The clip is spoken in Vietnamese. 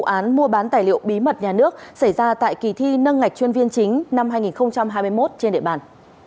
vụ án mua bán tài liệu bí mật nhà nước xảy ra tại kỳ thi nâng ngạch chuyên viên chính năm hai nghìn hai mươi một trên địa bàn